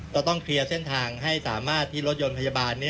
ต้องเคลียร์เส้นทางให้สามารถที่รถยนต์พยาบาล